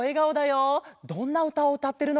どんなうたをうたってるのかな？